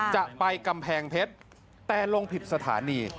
จะไปกำแพงเพชรแต่ลงผิดสถานี